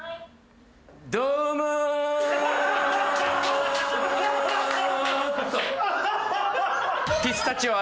どうもー！